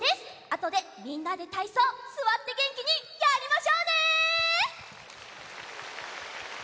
あとでみんなでたいそうすわってげんきにやりましょうね！